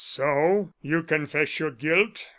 "So you confess your guilt?"